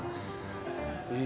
ya udah kan